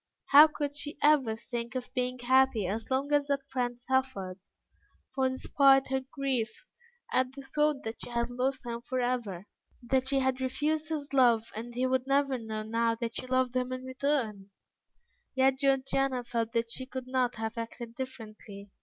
How could she ever think of being happy as long as that friend suffered? For despite her grief at the thought that she had lost him for ever, that she had refused his love and he would never know now that she loved him in return, yet Georgiana felt that she could not have acted differently.